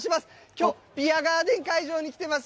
きょう、ビアガーデン会場に来ています。